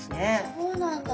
そうなんだ！